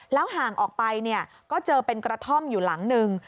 ห่างออกไปก็เจอเป็นกระท่อมอยู่หลังหนึ่ง